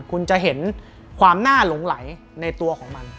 คุณจะเห็นความน่าหลงไหลในตัวของมัน